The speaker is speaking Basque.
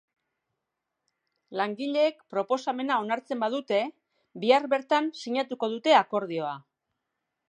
Langileek proposamena onartzen badute, bihar bertan sinatuko dute akordioa.